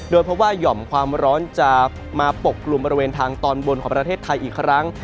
เพราะว่าหย่อมความร้อนจะมาปกกลุ่มบริเวณทางตอนบนของประเทศไทยอีกครั้ง